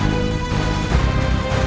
mereka mencari mati